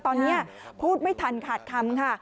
ตอนนี้พูดไม่ทันขาดคำค่ะ